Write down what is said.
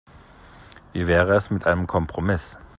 Wie wäre es mit einem Kompromiss?